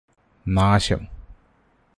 നാശം